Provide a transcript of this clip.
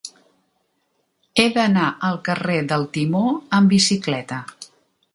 He d'anar al carrer del Timó amb bicicleta.